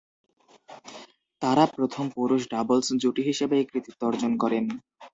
তারা প্রথম পুরুষ ডাবলস জুটি হিসেবে এই কৃতিত্ব অর্জন করেন।